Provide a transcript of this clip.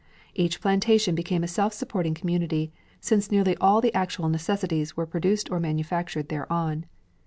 Each plantation became a self supporting community, since nearly all the actual necessities were produced or manufactured thereon.